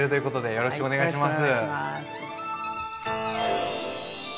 よろしくお願いします。